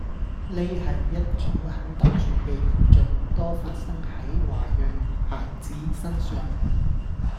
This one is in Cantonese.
呢係一種很特殊嘅現象，多發生喺華裔孩子身上